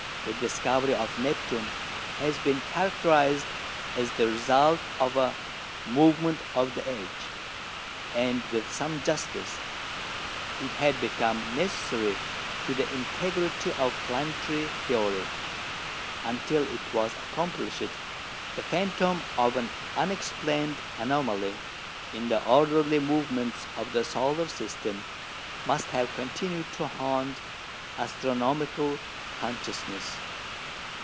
The discovery of Neptune has been characterised as the result of a "movement of the age," and with some justice. It had become necessary to the integrity of planetary theory. Until it was accomplished, the phantom of an unexplained anomaly in the orderly movements of the solar system must have continued to haunt astronomical consciousness.